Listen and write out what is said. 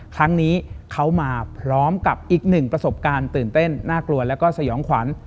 ครั้งนี้เขามาพร้อมกับอีกหนึ่งประสบการณ์ตื่นเต้นน่ากลัวแล้วก็สยองขวัญ